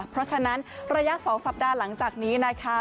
เพราะฉะนั้นระยะ๒สัปดาห์หลังจากนี้นะคะ